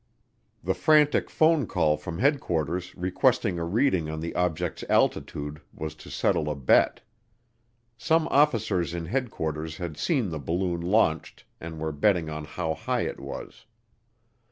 The frantic phone call from headquarters requesting a reading on the object's altitude was to settle a bet. Some officers in headquarters had seen the balloon launched and were betting on how high it was.